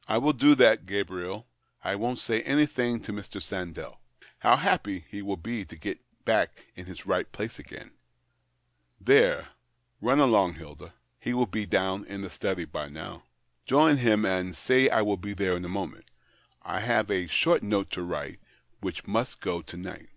" I will do that, Gabriel. I won't say anything to Mr. Sandell. How happy he will be to get back in his right place again !" ''There, run along, Hilda. He will be down in the study by now. Join him, and say I will be there in a moment. I have a short note to write, which must go to night."